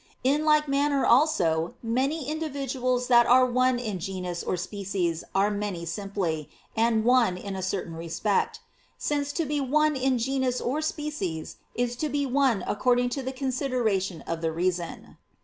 In like manner also many individuals that are one in genus or species are many simply, and one in a certain respect: since to be one in genus or species is to be one according to the consideration of the reason.